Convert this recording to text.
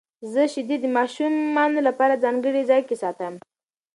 زه شیدې د ماشومانو لپاره ځانګړي ځای کې ساتم.